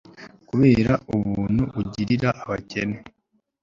kubera ubuntu ugirira abakene